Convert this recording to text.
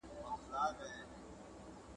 د کابل په صنعت کي د پانګې ساتنه څنګه کېږي؟